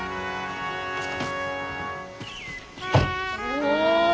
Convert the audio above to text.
お！